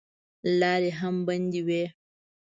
لارې هم بندې وې.